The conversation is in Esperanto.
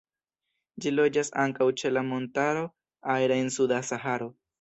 Ĝi loĝas ankaŭ ĉe la Montaro Air en suda Saharo.